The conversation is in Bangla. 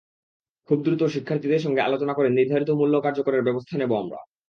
খুব দ্রুত শিক্ষার্থীদের সঙ্গে আলোচনা করে নির্ধারিত মূল্য কার্যকরের ব্যবস্থা নেব আমরা।